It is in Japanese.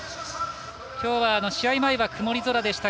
きょうは試合前は曇り空でした。